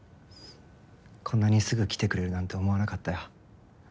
こんなにすぐ来てくれるなんて思わなかったよ。